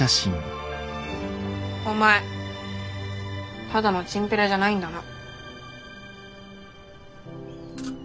お前ただのチンピラじゃないんだな。